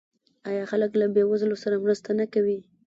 آیا خلک له بې وزلو سره مرسته نه کوي؟